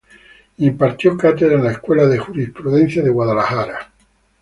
Impartió cátedra en la Escuela de Jurisprudencia de Guadalajara.